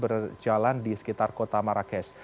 berjalan di sekitar kota marrakesh